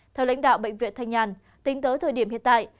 theo lãnh đạo bệnh viện thanh nhàn tính tới thời điểm hiện tại